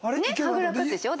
はぐらかすでしょ？